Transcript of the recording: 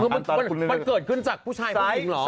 มันเกิดขึ้นจากผู้ชายคนนี้จริงเหรอ